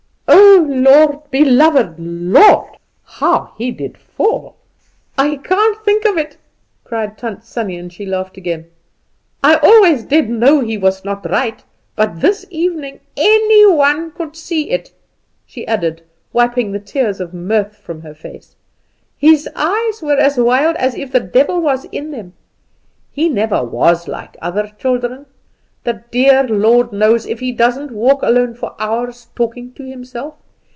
"Oh, Lord, beloved Lord, how he did fall! I can't think of it," cried Tant Sannie, and she laughed again. "I always did know he was not right; but this evening any one could see it," she added, wiping the tears of mirth from her face. "His eyes are as wild as if the devil was in them. He never was like other children. The dear Lord knows, if he doesn't walk alone for hours talking to himself.